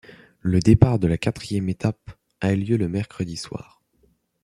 Le départ de la quatrième étape a lieu le mercredi soir.